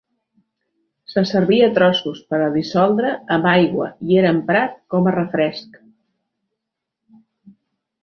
Se servia a trossos per a dissoldre amb aigua i era emprat com a refresc.